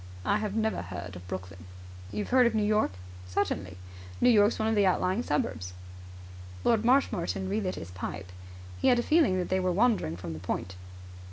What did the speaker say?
"I have never heard of Brooklyn." "You've heard of New York?" "Certainly." "New York's one of the outlying suburbs." Lord Marshmoreton relit his pipe. He had a feeling that they were wandering from the point.